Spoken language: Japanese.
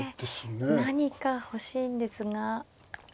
何か欲しいんですが。